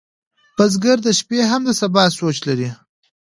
بزګر د شپې هم د سبا سوچ لري